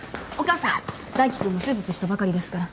大輝君も手術したばかりですから。